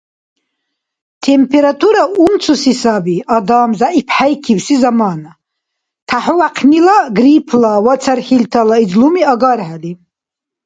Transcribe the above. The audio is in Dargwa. Температура умцуси саби адам зягӀипхӀейкибси замана, тяхӀувяхънила, гриппла ва цархӀилти излуми агархӀели.